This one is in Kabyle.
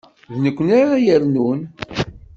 D nekkni ara yernun.